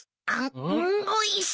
おいしい！